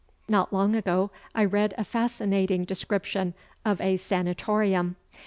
Not long ago I read a fascinating description of a "sanatorium."